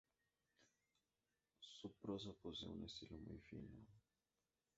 Su prosa posee un estilo muy fino.